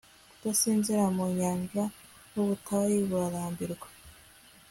Kudasinzira mu nyanja nubutayu burarambirwa